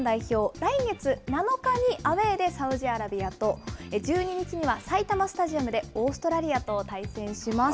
来月７日にアウエーでサウジアラビアと、１２日には埼玉スタジアムでオーストラリアと対戦します。